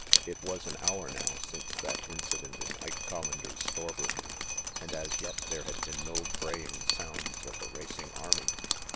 It was an hour now since that incident in Ike Collander's storeroom, and as yet there had been no braying sounds of a racing army.